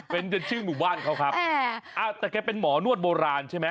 เป็นกันชื่อหมู่บ้านเขาครับแต่แกเป็นหมอนวดโบราณใช่ไหม